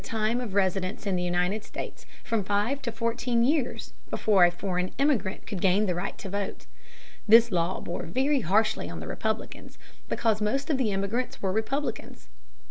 It lengthened the time of residence in the United States from five to fourteen years before a foreign immigrant could gain the right to vote. This law bore very harshly on the Republicans, because most of the immigrants were Republicans.